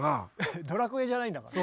「ドラクエ」じゃないんだから。